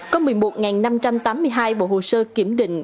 có một mươi một năm trăm tám mươi hai bộ hồ sơ kiểm định